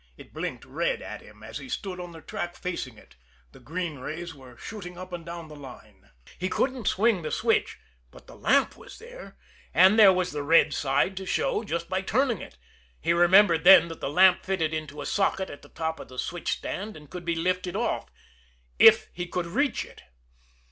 It blinked red at him as he stood on the track facing it; the green rays were shooting up and down the line. He couldn't swing the switch but the lamp was there and there was the red side to show just by turning it. He remembered then that the lamp fitted into a socket at the top of the switch stand, and could be lifted off if he could reach it!